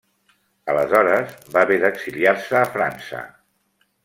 Aleshores va haver d'exiliar-se a França.